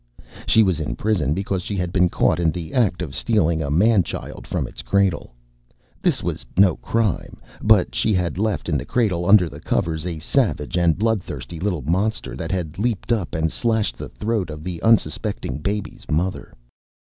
She was in prison because she had been caught in the act of stealing a Man child from its cradle. This was no crime, but she had left in the cradle, under the covers, a savage and blood thirsty little monster that had leaped up and slashed the throat of the unsuspecting baby's mother.